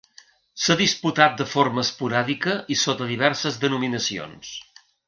S'ha disputat de forma esporàdica i sota diverses denominacions.